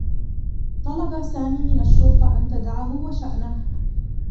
طلب سامي من الشّرطة أن تدعه و شأنه.